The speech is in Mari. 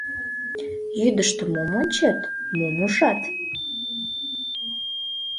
— Йӱдыштӧ мом ончет, мом ужат?